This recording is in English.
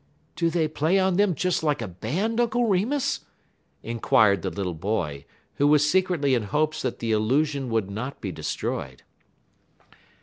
"Do they play on them just like a band, Uncle Remus?" inquired the little boy, who was secretly in hopes that the illusion would not be destroyed.